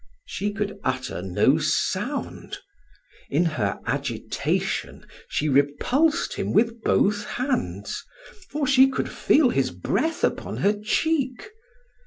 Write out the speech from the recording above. She could utter no sound; in her agitation she repulsed him with both hands, for she could feel his breath upon her cheek.